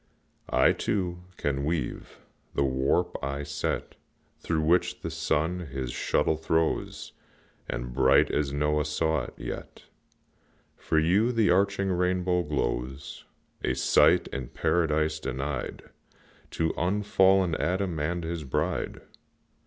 I, too, can weave; the warp I set Through which the sun his shuttle throws, And, bright as Noah saw it, yet For you the arching rainbow glows, A sight in Paradise denied To unfallen Adam and his bride.